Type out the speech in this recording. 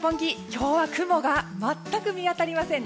今日は雲が全く見当たりません。